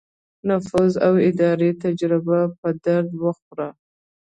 نفوذ او اداري تجربه په درد وخوړه.